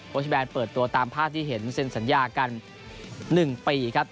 ชแบนเปิดตัวตามภาพที่เห็นเซ็นสัญญากัน๑ปีครับ